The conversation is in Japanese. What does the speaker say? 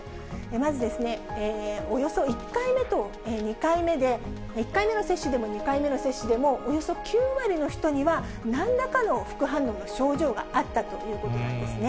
まず、およそ１回目と２回目で、１回目の接種でも２回目の接種でも、およそ９割の人には、なんらかの副反応の症状があったということなんですね。